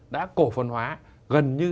đã cổ phân hóa gần như